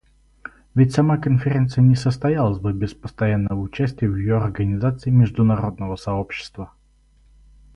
Ведь сама конференция не состоялась бы без постоянного участия в ее организации международного сообщества.